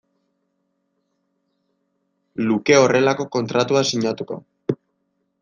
luke horrelako kontratu bat sinatuko.